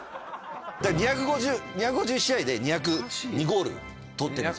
２５０試合で２０２ゴール取ってるんですよ。